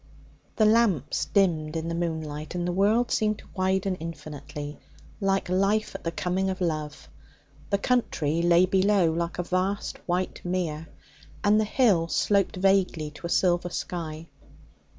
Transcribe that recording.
The lamps dimmed in the moonlight and the world seemed to widen infinitely, like life at the coming of love. The country lay below like a vast white mere, and the hill sloped vaguely to a silver sky.